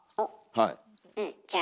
はい。